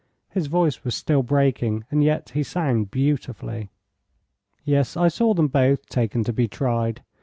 His voice was still breaking, and yet he sang beautifully. Yes. I saw them both taken to be tried.